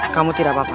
kamu tidak apa apa